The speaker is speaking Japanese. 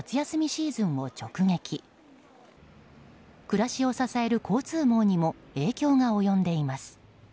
暮らしを支える交通網にも影響が及んでいます。